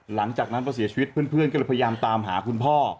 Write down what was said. หลังจากนั้นพอเสียชีวิตเพื่อนก็เลยพยายามตามหาคุณพ่อ